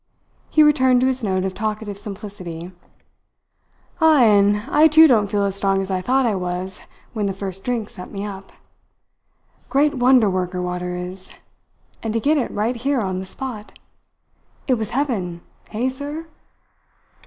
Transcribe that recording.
He returned to his note of talkative simplicity. "Ay; and I too don't feel as strong as I thought I was when the first drink set me up. Great wonder worker water is! And to get it right here on the spot! It was heaven hey, sir?"